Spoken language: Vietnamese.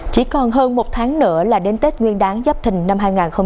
chỉ còn hơn một tháng nữa là đến tết nguyên đáng dắp thình năm hai nghìn hai mươi bốn